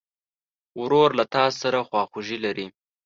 ورور له تا سره خواخوږي لري.